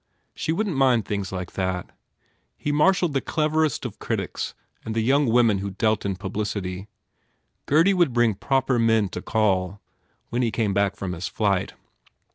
She wouldn t mind things like that. He mar shalled the cleverest of the critics and the young women who dealt in publicity. Gurdy would bring proper men to call, when he came back from his flight.